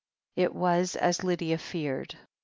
It was as Lydia had feared